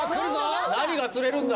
何が釣れるんだ？